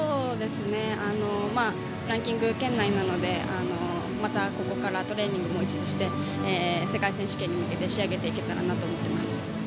ランキング圏内なのでまたここからトレーニングをして世界選手権に向けて仕上げていけたらなと思います。